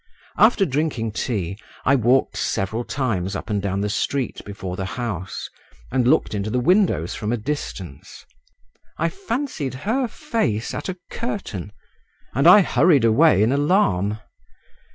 After drinking tea, I walked several times up and down the street before the house, and looked into the windows from a distance…. I fancied her face at a curtain, and I hurried away in alarm.